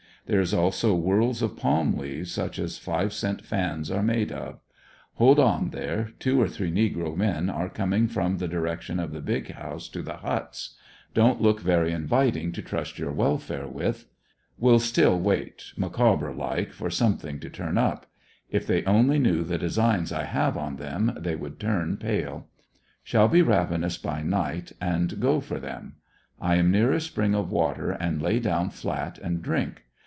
There is also worlds of palm leaves, such as five cent fans are made of. Hold on there, two or three negro men are coming from the direc tion of the big house to the huts. Don't look very inviting to trust your welfare with. Will still wait, McCawber like, for some thing to turn up. If they only knew the designs I have on them, they would turn pale. Shall be ravenous by night and go for them. I am near a spring of water, and lay down flat and drink.